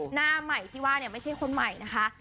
หน้าใหม่ที่ว่าเนี่ยไม่ใช่คนใหม่นะคะ